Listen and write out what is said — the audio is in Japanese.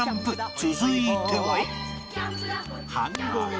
続いては